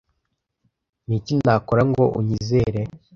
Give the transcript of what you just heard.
ni iki nakora ngo unyizere